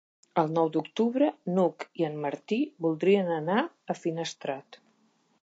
El nou d'octubre n'Hug i en Martí voldrien anar a Finestrat.